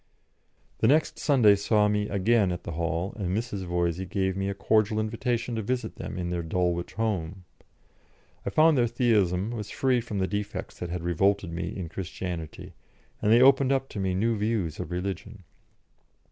The next Sunday saw me again at the Hall, and Mrs. Voysey gave me a cordial invitation to visit them in their Dulwich home. I found their Theism was free from the defects that had revolted me in Christianity, and they opened up to me new views of religion.